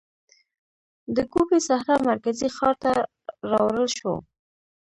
د ګوبي سحرا مرکزي ښار ته راوړل شو.